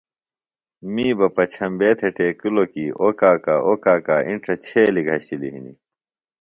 می بہ پچھمبے تھےۡ ٹیکِلوۡ کیۡ اوۡ کاکا اوۡ کاکا اِنڇہ چھیلیۡ گھشِلیۡ ہِنیۡ